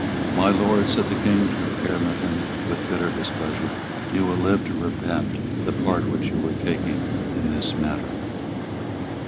"My Lord," said the King to Caermarthen, with bitter displeasure, "you will live to repent the part which you are taking in this matter."